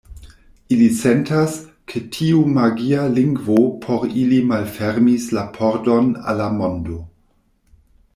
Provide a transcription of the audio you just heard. Ili sentas, ke tiu magia lingvo por ili malfermis la pordon al la mondo.